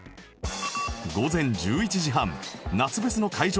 午前１１時半夏フェスの会場